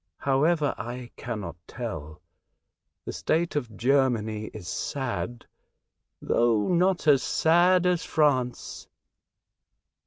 However, I cannot tell. The state of Germany is sad, though not as sad as France."